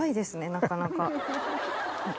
なかなか。